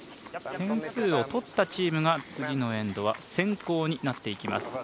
点数を取ったチームが次のエンドは先攻になっていきます。